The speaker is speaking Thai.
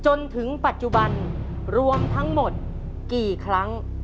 จนถึงปัจจุบันรวมทั้งหมดกี่ครั้ง